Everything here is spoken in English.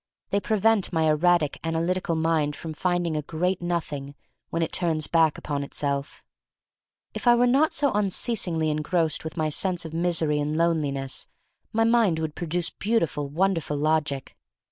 They prevent my erratic, analytical mind from finding a great Nothing when it turns back upon itself. If I were not so unceasingly en grossed with my sense of misery and loneliness my mind would produce beautiful, wonderful logic.